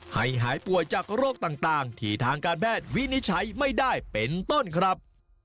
หายป่วยจากโรคต่างที่ทางการแพทย์วินิจฉัยไม่ได้เป็นต้นครับ